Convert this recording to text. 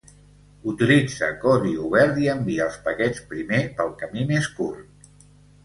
Utilitza codi obert i envia els paquets primer pel camí més curt.